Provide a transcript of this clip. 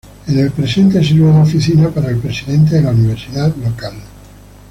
En el presente sirve de oficina para el presidente de la universidad local.